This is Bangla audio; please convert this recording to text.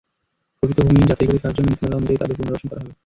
প্রকৃত ভূমিহীন যাচাই করে খাসজমি নীতিমালা অনুযায়ী তাদের পুনর্বাসন করা হবে।